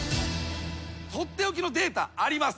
取って置きのデータあります。